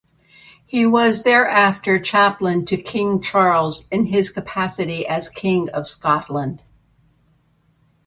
He was thereafter chaplain to King Charles in his capacity as King of Scotland.